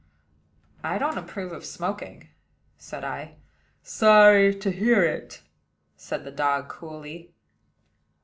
"I don't approve of smoking," said I. "Sorry to hear it," said the dog, coolly.